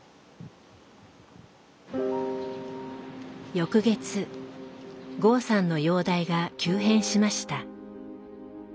翌月剛さんの容体が急変しました。